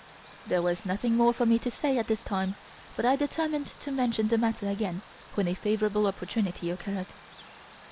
There was nothing for me to say at this time but I determined to mention the matter again when a favorable opportunity occurred.